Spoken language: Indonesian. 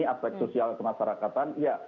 aspek sosial kemasyarakatan